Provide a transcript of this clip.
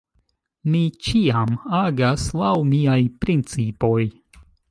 Mi ĉiam agas laŭ miaj principoj.